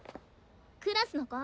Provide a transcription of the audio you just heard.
クラスの子。